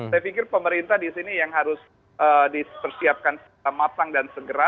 saya pikir pemerintah di sini yang harus disiapkan masang dan segera